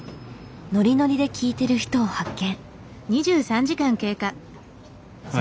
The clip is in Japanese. ノリノリで聴いてる人を発見。